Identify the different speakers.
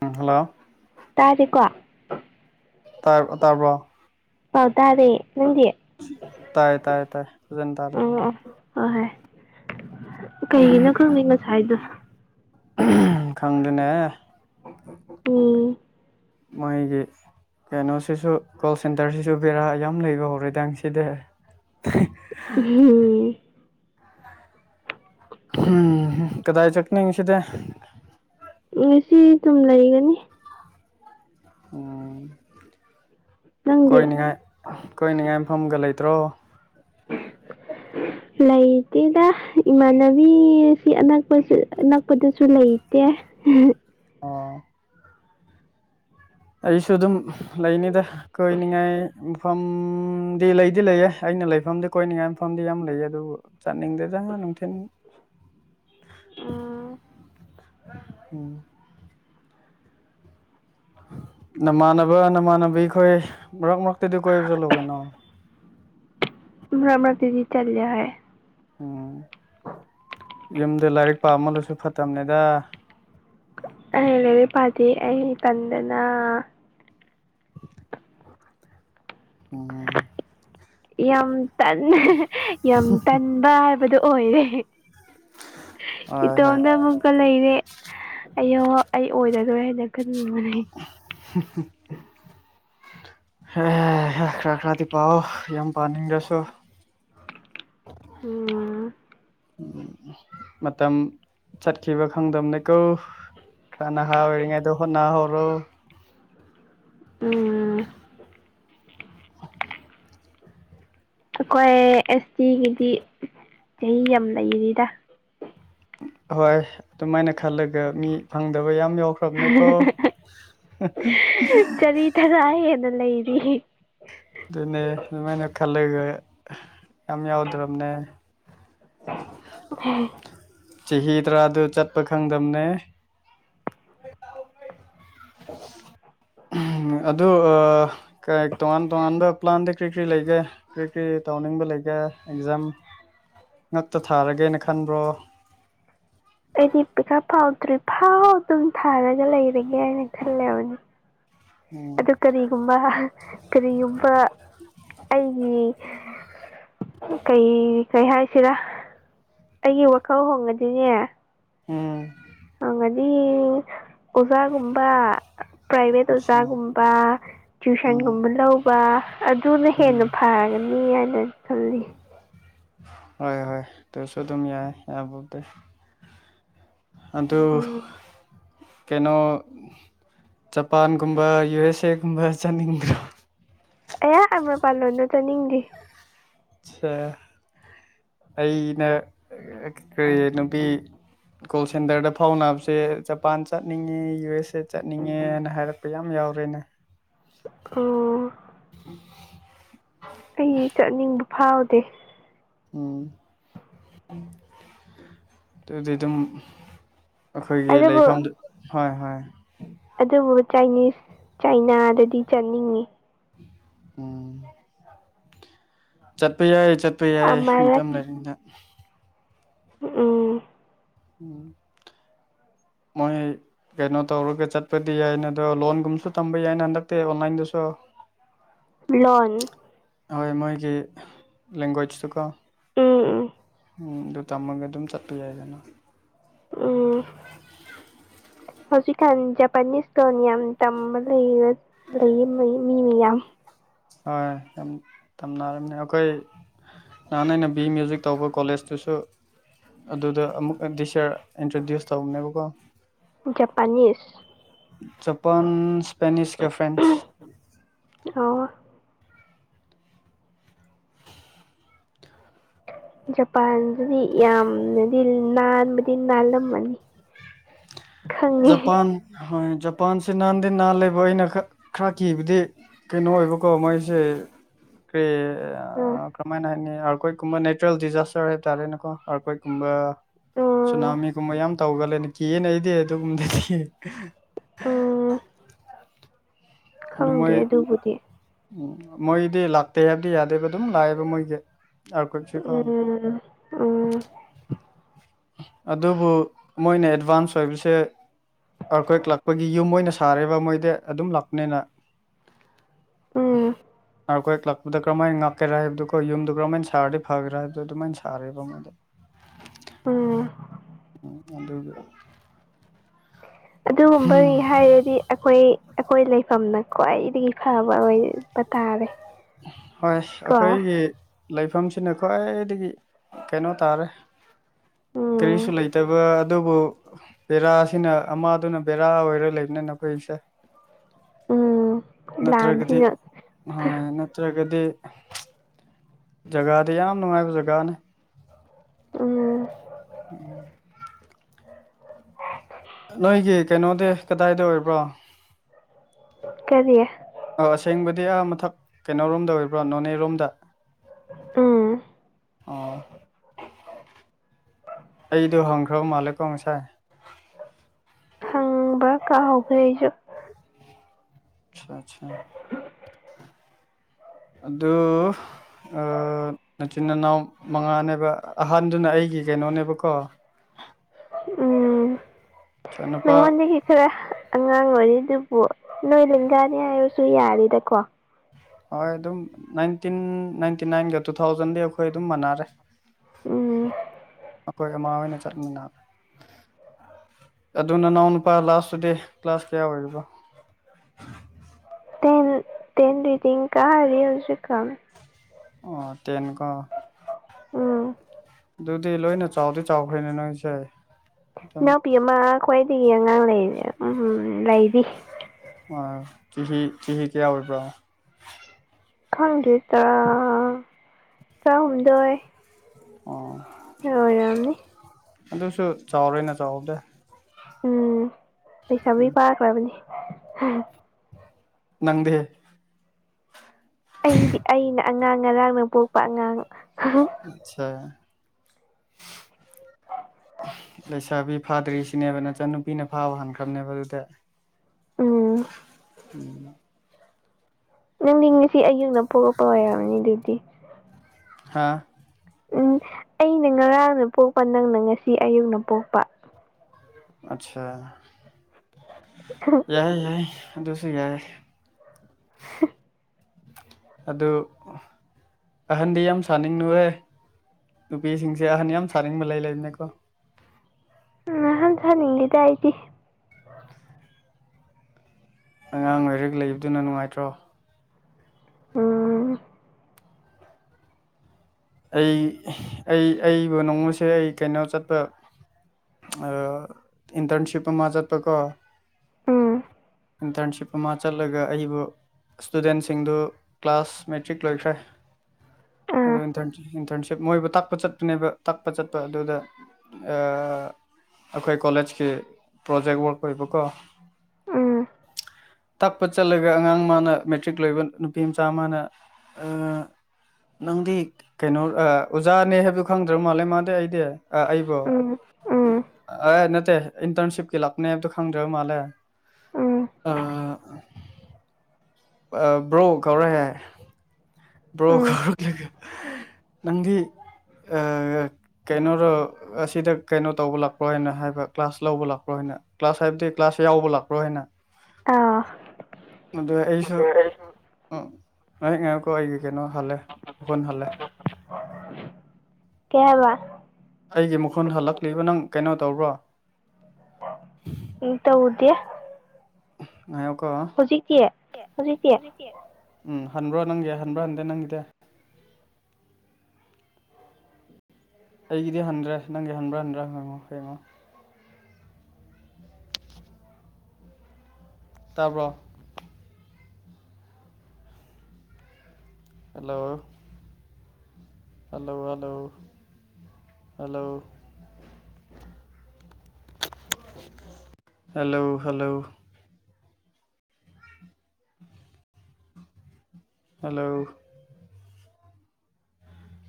Speaker 1: ꯎꯝ hello
Speaker 2: ꯇꯥꯔꯦꯀꯣ
Speaker 1: ꯇ ꯇꯥꯕ꯭ꯔꯣ
Speaker 2: ꯑꯧ ꯇꯥꯔꯦ ꯅꯪꯗꯤ
Speaker 1: [unintelligible] ꯇꯥꯔꯦ ꯇꯥꯔꯦ ꯇꯥꯔꯦ ꯐꯖꯅ ꯇꯥꯔꯦ
Speaker 2: ꯑꯣ ꯑꯣ ꯍꯣꯏ ꯍꯣꯏ ꯀꯩꯒꯤꯅꯣ ꯈꯪꯗꯦ ꯉꯁꯥꯏꯗꯣ
Speaker 1: [unintelligible] ꯈꯪꯗꯦꯅꯦ
Speaker 2: ꯎꯝ
Speaker 1: ꯃꯣꯏꯒꯤ ꯀꯩꯅꯣꯁꯤꯁꯨ ꯀꯣꯜ ꯁꯦꯟꯇꯔꯁꯤꯁꯨ ꯕꯦꯔꯥ ꯌꯥꯝ ꯂꯩꯕ ꯍꯧꯔꯦꯗ ꯉꯁꯤꯗꯤ
Speaker 2: [unintelligible]
Speaker 1: ꯎꯝ ꯀꯗꯥꯏ ꯆꯠꯅꯤ ꯉꯁꯤꯗꯤ
Speaker 2: ꯉꯁꯤ ꯗꯨꯝ ꯂꯩꯒꯅꯤ
Speaker 1: ꯎꯝ
Speaker 2: ꯅꯪꯗꯤ
Speaker 1: ꯀꯣꯏꯅꯤꯡꯉꯥꯏ ꯀꯣꯏꯅꯤꯡꯉꯥꯏ ꯃꯐꯝꯒ ꯂꯩꯇ꯭ꯔꯣ [inaudible]
Speaker 2: ꯂꯩꯇꯦꯗ ꯏꯃꯥꯟꯅꯕꯤꯁꯤ ꯑꯅꯛꯄꯁꯨ ꯑꯅꯛꯄꯗꯁꯨ ꯂꯩꯇꯦ [unintelligible]
Speaker 1: ꯑꯣ ꯑꯩꯁꯨ ꯑꯗꯨꯝ ꯂꯩꯅꯤꯗ ꯀꯣꯏꯅꯤꯡꯉꯥꯏ ꯃꯐꯝꯗꯤ ꯂꯩꯗꯤ ꯂꯩꯑ‌ꯦ ꯑꯩꯅ ꯂꯩꯐꯝꯗꯤ ꯀꯣꯏꯅꯤꯡꯉꯥꯏ ꯃꯐꯝꯗꯤ ꯌꯥꯝ ꯂꯩꯌꯦ ꯑꯗꯨꯕꯨ ꯆꯠꯅꯤꯡꯗꯦꯗ ꯅꯨꯡꯊꯤꯟ
Speaker 2: [unintelligible]
Speaker 1: ꯎꯝ ꯅꯃꯥꯟꯅꯕ ꯅꯃꯥꯟꯅꯕꯤ ꯈꯣꯏ ꯃꯔꯛ ꯃꯔꯛꯇꯗꯤ ꯀꯣꯏꯕ ꯆꯠꯂꯨ ꯀꯩꯅꯣ
Speaker 2: ꯃꯔꯛ ꯃꯔꯛ ꯇꯗꯤ ꯆꯠꯂꯤ ꯍꫭꯏ
Speaker 1: ꯎꯝ ꯌꯨꯝꯗ ꯂꯥꯏꯔꯤꯛ ꯄꯥꯝꯃꯂꯨꯁꯨ ꯐꯠꯇꯕꯅꯦꯗ
Speaker 2: ꯑꯩ ꯂꯥꯏꯔꯤꯛ ꯄꯥꯗꯤ ꯑꯩ ꯇꯟꯗꯅ
Speaker 1: ꯎꯝ
Speaker 2: ꯌꯥꯝ ꯇꯟ ꯌꯥꯝ ꯇꯟꯕ ꯍꯥꯏꯕꯗꯨ ꯑꯣꯏꯔꯦ
Speaker 1: ꯍꯣꯏ ꯍꯣꯏ
Speaker 2: ꯏꯇꯣꯝꯗ ꯑꯃꯨꯛꯀ ꯂꯩꯔꯦ ꯑꯩ ꯑꯩ ꯑꯣꯏꯒꯔꫭꯏ ꯍꯥꯏꯅ ꯈꯟꯕꯅꯦ
Speaker 1: [unintelligible] [unintelligible] ꯈꯔ ꯈꯔꯗꯤ ꯄꯥꯎ ꯌꯥꯝ ꯄꯥꯅꯤꯡꯗꯔꯁꯨ
Speaker 2: ꯎꯝ
Speaker 1: ꯃꯇꯝ ꯆꯠꯈꯤꯕ ꯈꯪꯗꯝꯅꯦꯀꯣ ꯈꯔ ꯅꯍꯥ ꯑꯣꯏꯔꯤꯉꯩꯏꯗ ꯍꯣꯠꯅ ꯍꯧꯔꫭ
Speaker 2: ꯎꯝ ꯑꯩꯈꯣꯏ ꯑꯦꯁ ꯇꯤꯒꯤꯗꯤ ꯆꯍꯤ ꯌꯥꯝ ꯂꯩꯔꯤꯗ
Speaker 1: ꯍꯣꯏ ꯑꯗꯨꯃꯥꯏꯅ ꯈꯜꯂꯒ ꯃꯤ ꯐꯪꯗꯕ ꯌꯥꯝ ꯌꯥꯎꯈꯤ ꯁꯅꯤ [unintelligible] ꯀꯣ
Speaker 2: ꯆꯍꯤ ꯊꯔꯥ ꯍꯦꯟꯅ ꯂꯩꯔꯤ
Speaker 1: ꯑꯗꯨꯅꯦ ꯑꯗꯨꯃꯥꯏꯅ ꯈꯜꯂꯒ ꯌꯥꯝ ꯌꯥꯎꯗ꯭ꯔꯕꯅꯦ ꯆꯍꯤ ꯇꯔꯥꯗꯨ ꯆꯠꯄ ꯈꯪꯗꯝꯕꯅꯦ [inaudible]
Speaker 2: ꯑꯣ [unintelligible]
Speaker 1: ꯑꯗꯨ ꯑꯥ ꯇꯣꯉꯥꯟ ꯇꯣꯉꯥꯟꯕ ꯄ꯭ꯂꯥꯟꯗꯤ ꯀꯔꯤ ꯀꯔꯤ ꯂꯩꯒꯦ ꯀꯔꯤ ꯀꯔꯤ ꯇꯧꯅꯤꯡꯕ ꯂꯩꯒꯦ ꯑꯦꯛꯖꯥꯝ ꯉꯛꯇ ꯊꯥꯔꯒꯦꯅ ꯈꯟꯕ꯭ꯔꯣ
Speaker 2: ꯑꯩꯗꯤ ꯄꯤꯛꯈꯥ ꯐꯥꯎ ꯐꯥꯎꯗ꯭ꯔꯤꯐꯥꯎ ꯑꯗꯨꯝ ꯊꯥꯔꯒ ꯂꯩꯔꯒꯦ ꯍꯥꯏꯅ ꯈꯜꯂꯕꯅꯦ
Speaker 1: ꯎꯝ
Speaker 2: ꯑꯗꯨ ꯀꯔꯤꯒꯨꯝꯕ ꯀꯔꯤꯒꯨꯝꯕ ꯑꯩꯒꯤ ꯀꯩ ꯀꯩ ꯍꯥꯏꯁꯤꯔ ꯑꯩꯒꯤ ꯋꯥꯈꯜ ꯍꯣꯡꯉꯗꯤꯅꯦ
Speaker 1: ꯎꯝ
Speaker 2: ꯍꯥꯏꯗꯤ ꯑꯣꯖꯥꯒꯨꯝꯕ ꯄ꯭ꯔꯥꯏꯚꯦꯠ
Speaker 1: ꯑꯆꯥ
Speaker 2: ꯑꯣꯖꯥꯒꯨꯝꯕ
Speaker 1: ꯎꯝ
Speaker 2: ꯇꯨꯏꯁꯟꯒꯨꯝꯕ ꯂꯧꯕ ꯑꯗꯨꯅ
Speaker 1: ꯎꯝ
Speaker 2: ꯍꯦꯟꯅ ꯐꯒꯅꯤ ꯍꯥꯏꯅ ꯈꯜꯂꯤ꯫
Speaker 1: ꯍꯣꯏ ꯍꯣꯏ ꯑꯗꯨꯁꯨ ꯑꯗꯨꯝ ꯌꯥꯏ ꯌꯥꯕꯕꯨꯗꯤ꯫ ꯑꯗꯨ꯫
Speaker 2: ꯎꯝ
Speaker 1: ꯀꯩꯅꯣ ꯖꯄꯥꯟꯒꯨꯝꯕ ꯌꯨ ꯑꯦꯁ ꯑꯦ ꯒꯨꯝꯕꯗ ꯆꯠꯅꯤꯡꯗ꯭ꯔꯣ꯫
Speaker 2: ꯑꯩꯌꯥ ꯑꯩ ꯃꯄꯥꯟꯂꯣꯝꯗ ꯆꯠꯅꯤꯡꯗꯦ꯫
Speaker 1: ꯑꯠꯁꯥ ꯑꯩꯅ ꯀꯔꯤ ꯅꯨꯄꯤ ꯀꯣꯜ ꯁꯦꯟꯇꯔꯗ ꯐꯥꯎꯅꯕꯁꯦ ꯖꯄꯥꯟ ꯆꯠꯅꯤꯡꯉꯦ ꯌꯨ ꯑꯦꯁ ꯑꯦ ꯆꯠꯅꯤꯡꯉꯦꯅ ꯍꯥꯏꯔꯛ ꯄ ꯌꯥꯝ ꯌꯥꯎꯔꯦꯅꯦ꯫
Speaker 2: ꯑꯣ꯫ ꯑꯩ ꯆꯠꯅꯤꯡꯕ ꯐꯥꯎꯗꯦ꯫
Speaker 1: ꯎꯝ ꯑꯗꯨꯗꯤ ꯗꯨꯝ꯫ ꯑꯩꯈꯣꯏꯒꯤ
Speaker 2: ꯑꯗꯨꯕꯨ
Speaker 1: ꯂꯩꯐꯝꯗꯨ ꯍꯣꯏ ꯍꯣꯏ꯫
Speaker 2: ꯑꯗꯨꯕꯨ ꯆꯥꯏꯅꯤꯁ ꯆꯥꯏꯅꯥꯗꯗꯤ ꯆꯠꯅꯤꯡꯉꯤ꯫
Speaker 1: ꯎꯝ ꯆꯠꯄ ꯌꯥꯏ ꯆꯠ ꯄ ꯌꯥꯏ
Speaker 2: ꯑꯃꯔꯛ
Speaker 1: ꯃꯇꯝ ꯂꯩꯔꯤꯃꯤꯅ꯫
Speaker 2: ꯎꯝ꯫
Speaker 1: ꯎꯝ꯫ ꯃꯣꯏ ꯀꯩꯅꯣ ꯇꯧꯔꯒ ꯆꯠꯄꯗꯤ ꯌꯥꯏꯅ ꯑꯗꯣ ꯂꯣꯟꯒꯨꯝꯕꯁꯨ ꯊꯝꯕ ꯌꯥꯏꯅ ꯍꯟꯗꯛꯇꯤ ꯑꯣꯟꯂꯥꯏꯟꯗꯁꯨ꯫
Speaker 2: ꯂꯣꯟ꯫
Speaker 1: ꯍꯣꯏ ꯃꯣꯏꯒꯤ ꯂꯦꯡꯒ꯭ꯣꯏꯁꯇꯣꯀꯣ꯫
Speaker 2: ꯎꯝ
Speaker 1: ꯎꯝ ꯑꯗꯨ ꯇꯝꯃꯒ ꯑꯗꯨꯝ ꯆꯠꯄ ꯌꯥꯏꯗꯅ꯫ [unintelligible]
Speaker 2: ꯍꯧꯖꯤꯛ ꯀꯥꯟ ꯖꯄꯅꯤꯁ ꯂꯣꯟ ꯌꯥꯝ ꯇꯝꯕ ꯂꯩꯕꯅꯤ꯫ ꯂꯩꯌꯦ ꯃꯤ ꯃꯤ ꯃꯌꯥꯝ꯫
Speaker 1: ꯍꯣꯏ ꯌꯥꯝ ꯇꯝꯅꯔꯕꯅꯤ ꯑꯩꯈꯣꯏ꯫ ꯅꯍꯥꯟ ꯑꯩꯅ ꯕꯤ ꯃꯌꯨꯖꯤꯛ ꯇꯧꯕ ꯀꯣꯂꯦꯖꯇꯨꯁꯨ꯫ ꯑꯗꯨꯗ ꯑꯃꯨꯛ ꯇꯤꯆꯔ ꯏꯟꯇ꯭ꯔꯗꯤꯌꯨꯁ ꯇꯧꯕꯅꯦꯕꯀꯣ꯫
Speaker 2: ꯖꯄꯅꯤꯁ꯫
Speaker 1: ꯖꯄꯥꯟ ꯏꯁꯄꯦꯅꯤꯁ ꯀ ꯐ꯭ꯔꯦꯁꯟ꯫
Speaker 2: ꯑꯣ꯫ ꯖꯄꯥꯟꯗꯗꯤ ꯌꯥꯝꯅꯗꯤ ꯅꯥꯟꯕꯗꯤ ꯅꯥꯟꯂꯝꯃꯅꯤ꯫
Speaker 1: ꯖꯄꯥꯟ ꯍꯣꯏ ꯖꯄꯥꯟꯁꯤ ꯅꯥꯟꯕꯗꯤ ꯅꯥꯟꯂꯦꯕ ꯑꯩꯅ ꯈꯔ ꯀꯤꯕꯗꯤ꯫ ꯀꯩꯅꯣ ꯑꯣꯏꯕꯀꯣ ꯃꯣꯏꯁꯦ ꯀꯩ
Speaker 2: ꯑꯥ
Speaker 1: ꯀꯃꯥꯏꯅ ꯍꯥꯏꯅꯤ ꯑꯥꯠꯀꯋꯦꯛ ꯀꯨꯝꯕ ꯅꯦꯆꯔꯦꯜ ꯗꯤꯖꯥꯁꯇꯔ ꯍꯥꯏꯇꯥꯔꯦꯅꯦꯀꯣ ꯑꯥꯠꯀꯀꯋꯦꯛ ꯀꯨꯝꯕ
Speaker 2: ꯎꯝ
Speaker 1: ꯁꯨꯅꯥꯃꯤꯒꯨꯝꯕ ꯌꯥꯝ ꯇꯧꯒꯜꯂꯅꯦ ꯀꯦꯌꯦꯅꯦ ꯑꯩꯗꯤ ꯑꯗꯨꯒꯨꯝꯕꯗꯤ꯫
Speaker 2: ꯎꯝ꯫
Speaker 1: ꯑꯗꯨ
Speaker 2: ꯈꯪꯗꯦ
Speaker 1: ꯃꯣꯏ
Speaker 2: ꯑꯗꯨꯕꯨꯗꯤ
Speaker 1: ꯎꯝ ꯃꯣꯏꯗꯤ ꯂꯥꯛꯇꯦ ꯍꯥꯏꯕꯗꯤ ꯌꯥꯗꯦꯕ ꯑꯗꯨꯝ ꯂꯥꯛꯑꯦꯕ ꯃꯣꯏꯒꯤ꯫ ꯑꯥꯠꯀꯋꯦꯛꯁꯦ ꯀꯣ꯫
Speaker 2: ꯎꯝ ꯎꯝ꯫
Speaker 1: ꯑꯗꯨꯕꯨ ꯃꯣꯏꯅ ꯑꯦꯗꯚꯥꯁꯟ ꯑꯣꯏꯕꯁꯦ꯫ ꯑꯥꯠꯀꯋꯦꯛ ꯂꯥꯛꯄꯒꯤ ꯌꯨꯝ ꯑꯣꯏꯅ ꯁꯥꯔꯦꯕ ꯃꯣꯏꯗꯤ ꯑꯗꯨꯝ ꯂꯥꯛꯄꯅꯤꯅ꯫
Speaker 2: ꯎꯝ
Speaker 1: [unintelligible] ꯑꯥꯠꯀꯋꯦꯛ ꯂꯥꯛꯄꯗ ꯀꯔꯝꯃꯥꯏ ꯉꯛꯀꯦꯔꯥ ꯍꯥꯏꯕꯗꯣꯀꯣ ꯌꯨꯝꯗꯣ ꯀꯔꯝꯃꯥꯏꯅ ꯁꯥꯔꯗꯤ ꯐꯒꯦꯔ ꯍꯥꯏꯕꯗꯣ ꯑꯗꯨꯃꯥꯏꯅ ꯁꯥꯔꯦꯕ ꯃꯣꯏꯗꯣ꯫
Speaker 2: ꯎꯝ꯫
Speaker 1: ꯑꯗꯨꯒꯤ
Speaker 2: ꯑꯗꯨꯒꯨꯝꯕꯩ ꯍꯥꯏꯔꯗꯤ꯫ ꯑꯩꯈꯣꯏ ꯑꯩꯈꯣꯏ ꯂꯩꯐꯝꯅ ꯈ꯭ꯋꯥꯏꯗꯒꯤ ꯐꯕ ꯑꯣꯏꯕ ꯇꯥꯔꯦ꯫
Speaker 1: ꯍꯣꯏ
Speaker 2: ꯀꯣ
Speaker 1: ꯑꯩꯈꯣꯏꯒꯤ ꯂꯩꯐꯝꯁꯤꯅ ꯈ꯭ꯋꯥꯏꯗꯒꯤ ꯀꯩꯅꯣ ꯇꯥꯔꯦ꯫
Speaker 2: ꯎꯝ
Speaker 1: ꯀꯔꯤꯁꯨ ꯂꯩꯇꯕ ꯑꯗꯨꯕꯨ꯫ ꯕꯦꯔꯥꯁꯤꯅ ꯑꯃꯗꯨꯅ ꯕꯦꯔꯥ ꯑꯣꯏꯔ ꯂꯩꯕꯅꯤ ꯅꯈꯣꯏꯁꯦ꯫
Speaker 2: ꯎꯝ
Speaker 1: ꯅꯠꯇ꯭ꯔꯒꯗꯤ
Speaker 2: ꯂꯥꯟꯁꯤꯅ
Speaker 1: ꯍꯣꯏ ꯅꯠꯇ꯭ꯔꯒꯗꯤ ꯖꯒꯥꯗꯤ ꯌꯥꯝ ꯅꯨꯡꯉꯥꯏꯕ ꯖꯒꯥꯅꯤ꯫
Speaker 2: ꯎꯝ꯫
Speaker 1: [unintelligible] ꯅꯣꯏꯒꯤ ꯀꯩꯅꯣꯗꯤ ꯀꯗꯥꯏꯗ ꯑꯣꯏꯕ꯭ꯔꯣ꯫
Speaker 2: ꯀꯔꯤ꯫
Speaker 1: ꯑꯣ ꯑꯁꯦꯡꯕꯗꯤ ꯑꯥ ꯃꯊꯛ ꯀꯩꯅꯣꯔꯣꯝꯗ ꯑꯣꯏꯕ꯭ꯔꯣ ꯅꯣꯅꯦꯔꯣꯝꯗ꯫
Speaker 2: ꯎꯝ꯫
Speaker 1: ꯑꯣ꯫ ꯑꯩꯗꯣ ꯍꯪꯈ꯭ꯔꯕ ꯃꯥꯜꯂꯦꯀꯣ ꯉꯁꯥꯏ꯫
Speaker 2: ꯍꯪꯕ ꯀꯥꯎꯒ꯭ꯔꯦ ꯑꯩꯁꯨ꯫
Speaker 1: [unintelligible] ꯑꯗꯣ ꯑ ꯅꯆꯤꯟ ꯏꯅꯥꯎ ꯃꯉꯥꯅꯒ ꯑꯍꯟꯗꯨꯅ ꯑꯩꯒꯤ ꯀꯩꯅꯣꯅꯦꯕꯀꯣ ꯏꯆꯥꯅꯨꯄꯥ
Speaker 2: ꯅꯉꯣꯟꯗꯒꯤ ꯈꯔ ꯑꯉꯥꯡ ꯑꯣꯏꯔꯤ ꯑꯗꯨꯕꯨ ꯅꯣꯏ ꯂꯦꯡꯒꯥꯅꯤ ꯍꯥꯏꯔꯁꯨ ꯌꯥꯏꯤꯗꯀꯣ꯫
Speaker 1: ꯍꯣꯏ ꯑꯗꯨꯝ ꯅꯥꯏꯟꯇꯤꯟ ꯅꯥꯏꯟꯇꯤ ꯅꯥꯏꯟꯒ ꯇꯨ ꯊꯥꯎꯖꯟꯗꯤ ꯑꯩꯈꯣꯏ ꯑꯗꯨꯝ ꯃꯥꯟꯅꯔꯦ꯫
Speaker 2: ꯎꯝ꯫
Speaker 1: ꯑꯩꯈꯣꯏ ꯑꯝꯍꯥ ꯑꯣꯏꯅ ꯆꯠꯃꯤꯟꯅ ꯑꯗꯨ ꯅꯅꯥꯎ ꯅꯨꯄꯥ ꯂꯥꯁ ꯇꯨꯗꯤ ꯀ꯭ꯂꯥꯁ ꯀꯌꯥ ꯑꯣꯏꯕꯅꯣ꯫
Speaker 2: ꯇꯦꯟ ꯇꯦꯟꯦꯗꯗꯤꯡ ꯀꯥꯔꯤ ꯍꯧꯖꯤꯛ ꯀꯥ
Speaker 1: ꯑꯣ ꯇꯦꯟ ꯀꯥꯕ
Speaker 2: ꯎꯝ
Speaker 1: ꯑꯗꯨꯗꯤ ꯂꯣꯏꯅ ꯆꯥꯎꯗꯤ ꯆꯥꯎꯈ꯭ꯔꯦꯅꯦ ꯅꯣꯏꯁꯦ꯫ ꯑꯗꯨꯝ
Speaker 2: ꯏꯅꯥꯎꯄꯤ ꯑꯃ ꯈ꯭ꯋꯥꯏꯗꯒꯤ ꯑꯉꯥꯡ ꯂꯩ ꯎꯝꯝ ꯂꯩꯔꯤ꯫
Speaker 1: ꯑ ꯆꯍꯤ ꯆꯍꯤ ꯀꯌꯥ ꯑꯣꯏꯕ꯭ꯔꯣ꯫
Speaker 2: ꯈꯪꯗꯦꯇ ꯇꯔꯥ ꯇꯔꯥꯍꯨꯝꯗꯣꯏ
Speaker 1: ꯑꯣ꯫
Speaker 2: ꯂꯣꯢꯔꯝꯃꯅꯤ꯫
Speaker 1: ꯑꯗꯨꯁꯨ ꯆꯥꯎꯔꯦꯅ ꯆꯥꯎꯕꯗꯤ
Speaker 2: ꯎꯝ ꯂꯩꯁꯥꯕꯤ ꯐꯥꯈ꯭ꯔꯕꯅꯤ꯫
Speaker 1: ꯅꯪꯗꯤ
Speaker 2: ꯑꯩꯗꯤ ꯑꯩꯅ ꯑꯉꯥꯡ ꯉꯔꯥꯡ ꯅ ꯄꯣꯛꯄ ꯑꯉꯥꯡ [unintelligible]
Speaker 1: ꯑꯆꯥ [unintelligible] ꯂꯩꯁꯥꯕꯤ ꯐꯥꯗ꯭ꯔꯤꯁꯤꯅꯦꯕ ꯅꯆꯟꯅꯨꯄꯤꯅ ꯐꯥꯕ ꯍꯟꯈ꯭ꯔꯕꯅꯦꯕ ꯑꯗꯨꯗꯤ
Speaker 2: ꯎꯝ꯫
Speaker 1: [unintelligible]
Speaker 2: ꯅꯪꯗꯤ ꯉꯁꯤ ꯑꯍꯤꯡꯗ ꯄꯣꯔꯛꯄ ꯑꯣꯏꯔꯝꯅꯤ ꯑꯗꯨꯗꯤ
Speaker 1: ꯍꯥꯥ
Speaker 2: ꯎꯝ ꯑꯩꯅ ꯉꯔꯥꯡꯅ ꯄꯣꯛꯄ ꯅꯪꯅ ꯉꯁꯤ ꯑꯍꯤꯡꯗ ꯄꯣꯛꯄ꯫
Speaker 1: ꯑꯆꯥ꯫
Speaker 2: [unintelligible]
Speaker 1: ꯌꯥꯏ ꯌꯥꯏ ꯑꯗꯨꯁꯨ ꯌꯥꯏ꯫
Speaker 2: [unintelligible]
Speaker 1: ꯑꯗꯨ ꯑꯍꯟꯗꯤ ꯌꯥꯝ ꯁꯥꯅꯤꯡꯅꯨꯍꯦ ꯅꯨꯄꯤꯁꯤꯡꯁꯦ ꯑꯍꯟ ꯌꯥꯝ ꯁꯥꯅꯤꯡꯕ ꯂꯩꯔꯦꯅꯦꯀꯣ꯫
Speaker 2: ꯎ ꯑꯍꯟ ꯁꯥꯅꯤꯡꯗꯦꯗ ꯑꯩꯗꯤ꯫
Speaker 1: ꯑꯉꯥꯡ ꯑꯣꯏꯔ ꯂꯩꯕꯗꯨꯅ ꯅꯨꯡꯉꯥꯏꯇ꯭ꯔꯣ꯫
Speaker 2: ꯎꯝ꯫
Speaker 1: ꯑꯩ ꯑꯩ ꯑꯩꯕꯨ [unintelligible] ꯑꯩ ꯀꯩꯅꯣ ꯆꯠꯄ ꯑ ꯏꯟꯇꯔꯟꯁꯤꯄ ꯑꯃ ꯆꯠꯄꯀꯣ꯫
Speaker 2: ꯎꯝ
Speaker 1: ꯏꯟꯇꯔꯟꯁꯤꯞ ꯍꯤꯃꯥꯆꯜ ꯆꯠꯂꯒ ꯑꯩꯕꯨ ꯏꯁꯇꯨꯗꯦꯟꯁꯤꯡꯗꯨ ꯀ꯭ꯂꯥꯁ ꯃꯦꯇ꯭ꯔꯤꯛ ꯂꯣꯏꯈ꯭ꯔꯦ ꯑ
Speaker 2: ꯑꯥ
Speaker 1: ꯏꯟ ꯏꯟꯊꯔꯟꯞ ꯃꯣꯏ ꯑꯗꯨꯒ ꯇꯥꯛꯄ ꯆꯠꯄꯅꯦꯕ ꯇꯥꯛꯄ ꯆꯠꯄ ꯑꯗꯨꯗ ꯑꯩꯈꯣꯏ ꯀꯣꯂꯦꯖꯀꯤ ꯄ꯭ꯔꯣꯖꯦꯛ ꯔꯛ ꯑꯣꯏꯕꯀꯣ
Speaker 2: ꯎꯝ
Speaker 1: ꯇꯛꯄ ꯆꯠꯂꯒ ꯑꯉꯥꯡ ꯃꯥꯅ ꯃꯦꯛꯇ꯭ꯔꯤꯛ ꯂꯣꯏꯕ ꯅꯨꯄꯤ ꯃꯆꯥ ꯑꯃꯅ ꯅꯪꯗꯤ ꯑꯣꯖꯥꯅꯦ ꯍꯥꯏꯕꯗꯨꯣ ꯈꯪꯗ꯭ꯔꯕ ꯃꯥꯜꯂꯦ ꯃꯥꯗ ꯑꯩꯗꯤ ꯑꯩꯕꯣ
Speaker 2: ꯎꯝ ꯎꯝ
Speaker 1: ꯑꯦ ꯅꯠꯇꯦ ꯏꯟꯇꯔꯟꯁꯤꯞꯀꯤ ꯂꯥꯛꯅꯦ ꯍꯥꯏꯕꯗꯣ ꯈꯪꯗ꯭ꯔꯕ ꯃꯥꯜꯂꯦ
Speaker 2: ꯎꯝ
Speaker 1: ꯑꯥ ꯕ꯭ꯔꯣ ꯀꯧꯔꯦꯍ ꯕ꯭ꯔꯣ
Speaker 2: ꯎꯝ
Speaker 1: ꯅꯪꯗꯤ ꯀꯩꯅꯣꯣꯔꯣ ꯑꯁꯤꯗ ꯀꯩꯅꯣ ꯇꯧꯕ ꯂꯥꯛꯄ꯭ꯔꯣ ꯍꯥꯏꯅ ꯍꯥꯏꯕ ꯀ꯭ꯂꯥꯁ ꯂꯧꯕ ꯂꯥꯛꯄ꯭ꯔꯣꯅ ꯀ꯭ꯂꯥꯁ ꯐꯥꯏꯕꯇ ꯀ꯭ꯂꯥꯁ ꯌꯥꯎꯕ ꯂꯥꯛꯄ꯭ꯔꯣ ꯍꯥꯏꯅ
Speaker 2: ꯑꯥ
Speaker 1: ꯑ ꯑꯩꯁꯨ ꯀꯒ ꯀꯅꯣ ꯍꯜꯦ ꯍꯣꯟ ꯍꯂꯦ
Speaker 2: ꯀꯌꯥ ꯍꯥꯏꯔꯕ
Speaker 1: ꯑꯩꯒꯤ ꯃꯈꯨꯟ ꯍꯜꯂꯛꯂꯤꯕ ꯅꯪ ꯀꯩꯅꯣ ꯇꯧꯕ꯭ꯔꯣ
Speaker 2: ꯏ ꯇꯧꯗꯦ
Speaker 1: ꯑꯣꯀ
Speaker 2: ꯍꯧꯖꯤꯛꯇꯤ ꯍꯧꯖꯤꯛꯇꯤ
Speaker 1: ꯎꯝ ꯍꯟꯕ꯭ꯔꯣ ꯅꯪꯦ ꯍꯟꯕ꯭ꯔꯣ ꯍꯟꯗꯦ ꯅꯪꯒꯤꯗꯤ ꯑꯩꯒꯤꯗꯤ ꯍꯟꯗ꯭ꯔꯦ ꯅꯪꯒꯤ ꯍꯟ꯭ꯔ ꯍꯟ꯭ꯔꯥ ꯍꯉꯣ ꯍꯡꯉꯣ ꯇꯥꯕ꯭ꯔꯣ hello hello hello hello hello hello hello